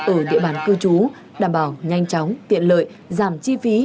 ở địa bàn cư trú đảm bảo nhanh chóng tiện lợi giảm chi phí